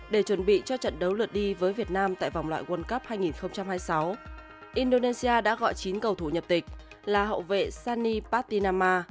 để chuẩn bị cho trận đấu lượt đi với việt nam tại vòng loại world cup hai nghìn hai mươi sáu indonesia đã gọi chín cầu thủ nhập tịch là hậu vệ sani patinama